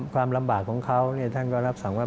ความลำบากของเขาท่านก็รับสั่งว่า